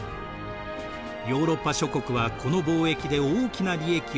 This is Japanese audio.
ヨーロッパ諸国はこの貿易で大きな利益を得ました。